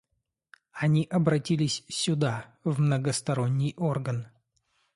Они обратились сюда, в многосторонний орган.